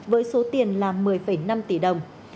với số tiền là một mươi năm tỷ đồng